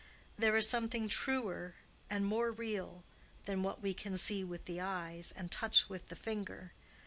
There is something truer and more real than what we can see with the eyes and touch with the finger.